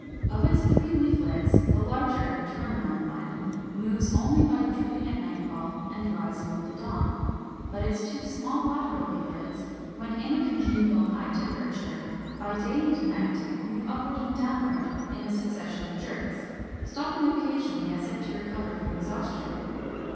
Of its three leaflets, the larger (terminal) one moves only by drooping at nightfall and rising with the dawn. But its two small lateral leaflets, when in a congenial high temperature, by day and by night move upward and downward in a succession of jerks, stopping occasionally, as if to recover from exhaustion.